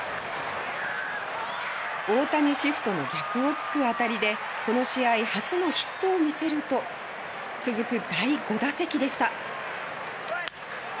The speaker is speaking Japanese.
大谷シフトの逆を突く当たりでこの試合初のヒットを見せると続く第５打席でした。